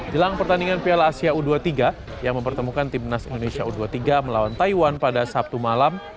jelang pertandingan piala asia u dua puluh tiga yang mempertemukan timnas indonesia u dua puluh tiga melawan taiwan pada sabtu malam